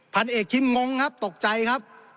พันเอกคิมงครับตกใจครับ